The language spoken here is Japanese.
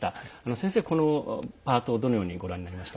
先生は、このパートどのようにご覧になりました？